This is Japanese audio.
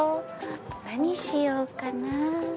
何しようかな。